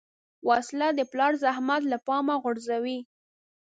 وسله د پلار زحمت له پامه غورځوي